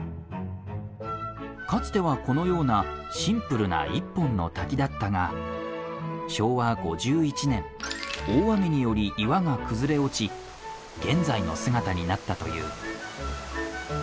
かつてはこのようなシンプルな１本の滝だったが昭和５１年大雨により岩が崩れ落ち現在の姿になったという。